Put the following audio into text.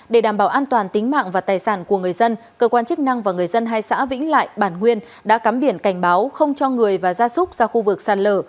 để đảm bảo an toàn tính mạng và tài sản của người dân cơ quan chức năng và người dân hai xã vĩnh lại bản nguyên đã cắm biển cảnh báo không cho người và gia súc ra khu vực sạt lở